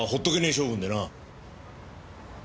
性分でな。